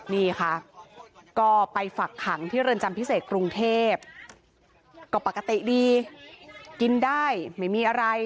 นี่ค่ะก็ไปฝักขังที่เรือนจำพิเศษกรุงเทพก็ปกติดีกินได้ไม่มีอะไร